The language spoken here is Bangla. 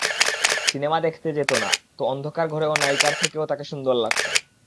সিনেমা দেখতে যেতো না, তো অন্ধকার ঘরেও নায়িকার থেকেও তাকে সুন্দর লাগতো।